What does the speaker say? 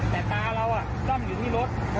แต่ตาเราจ้องอยู่ที่รถ